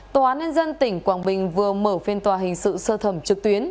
tòa án nhân dân tỉnh quảng bình vừa mở phiên tòa hình sự sơ thẩm trực tuyến